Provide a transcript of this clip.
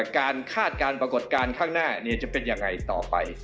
การคาดการปรากฏการณ์ข้างหน้าเนี่ยจะเป็นยังไงต่อไป